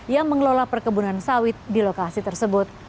yang mengelola perkebunan sawit di lokasi tersebut